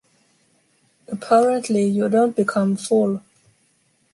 Apparently, you don’t become full.